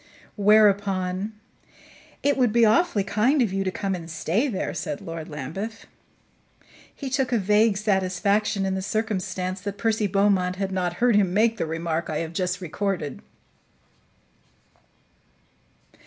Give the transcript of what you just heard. Whereupon "It would be awfully kind of you to come and stay there," said Lord Lambeth. He took a vague satisfaction in the circumstance that Percy Beaumont had not heard him make the remark I have just recorded.